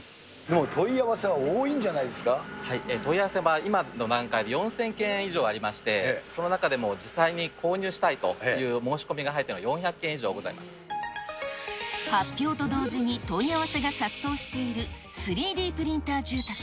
もう問い合わせが多いんじゃ問い合わせは、今の段階で４０００件以上ありまして、その中でも実際に購入したいという申し込みが入っているのは発表と同時に、問い合わせが殺到している３Ｄプリンター住宅。